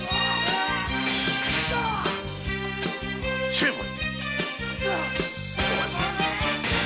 成敗！